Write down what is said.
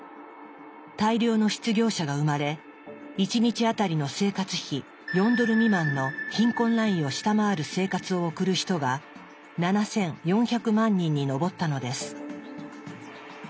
大量の失業者が生まれ１日当たりの生活費４ドル未満の貧困ラインを下回る生活を送る人が７４００万人に上ったのです。